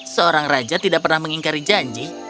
seorang raja tidak pernah mengingkari janji